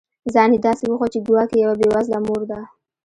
ځان یې داسي وښود چي ګواکي یوه بې وزله مور ده